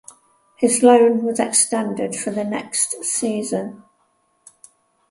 His loan was extended for the next season.